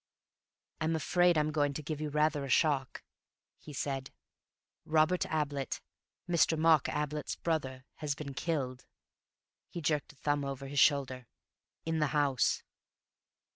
"I'm afraid I'm going to give you rather a shock," he said. "Robert Ablett, Mr. Mark Ablett's brother, has been killed." He jerked a thumb over his shoulder. "In the house."